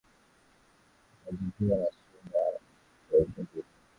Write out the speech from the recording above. Utajijua na shingo yako ngumu